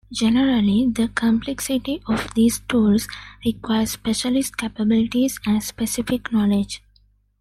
Generally, the complexity of these tools requires specialist capabilities and specific knowledge.